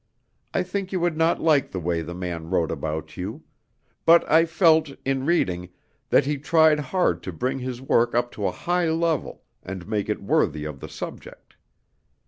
I think you would not like the way the man wrote about you; but I felt, in reading, that he tried hard to bring his work up to a high level and make it worthy of the subject.